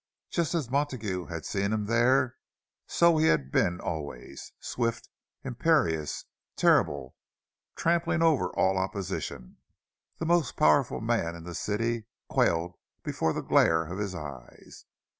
Just as Montague had seen him there, so he had been always; swift, imperious, terrible, trampling over all opposition; the most powerful men in the city quailed before the glare of his eyes.